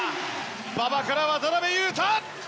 馬場から渡邊雄太！